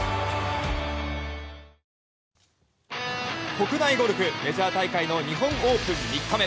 国内ゴルフメジャー大会の日本オープン３日目。